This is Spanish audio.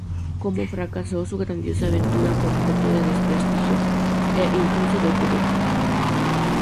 Como fracasó, su grandiosa aventura fue objeto de desprestigio e incluso de burla.